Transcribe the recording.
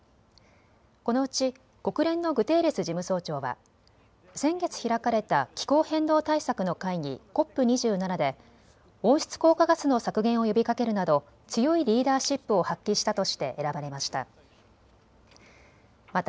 このうち国連のグテーレス事務総長は先月、開かれた気候変動対策の会議、ＣＯＰ２７で温室効果ガスの削減を呼びかけるなど強いリーダーシップを発揮したとして選ばれました。